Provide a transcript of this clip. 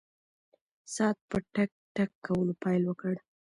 ساعت په ټک ټک کولو پیل وکړ.